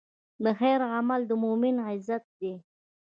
د خیر عمل د مؤمن عزت دی.